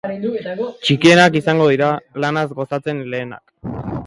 Txikienak izango dira lanaz gozatzen lehenak.